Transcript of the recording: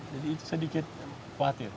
jadi itu sedikit khawatir